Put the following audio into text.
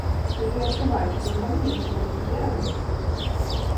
Калі я адчуваю, што я павінен гэта рабіць, я раблю.